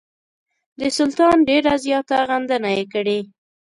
د سلطان ډېره زیاته غندنه یې کړې.